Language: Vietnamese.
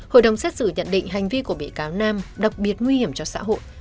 hội đồng xét xử nhận định hành vi của bị cáo nam đặc biệt nguy hiểm cho xã hội